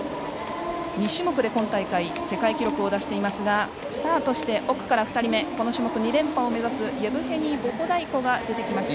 ２種目で今大会世界記録を出していますがスタートして奥から２人目この種目２連覇を目指すイェブヘニー・ボホダイコが出てきました。